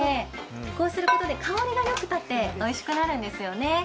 こうすることで香りがよく立っておいしくなるんですよね。